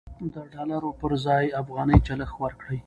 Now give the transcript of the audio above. د ډالرو پر ځای افغانۍ چلښت ورکړئ.